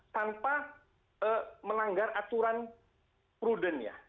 tanpa melanggar aturan prudentnya